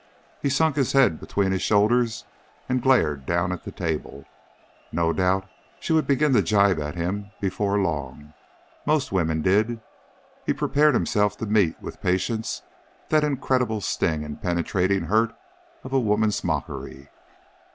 He sunk his head between his shoulders and glared down at the table. No doubt she would begin to gibe at him before long. Most women did. He prepared himself to meet with patience that incredible sting and penetrating hurt of a woman's mockery.